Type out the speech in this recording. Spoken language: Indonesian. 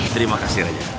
terima kasih raja